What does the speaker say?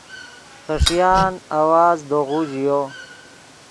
خݰیان آواز دے غو ژیو